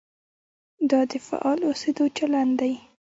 دا د فعال اوسېدو چلند دی.